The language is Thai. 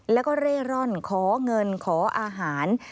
แล้วก็เร่ร่อนขอเงินขออาหาร